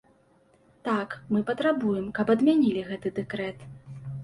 Так, мы патрабуем, каб адмянілі гэты дэкрэт.